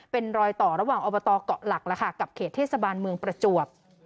เป็นรอยต่อระหว่างอบตเกาะหลักแล้วค่ะกับเขตเทศบาลเมืองประจวบ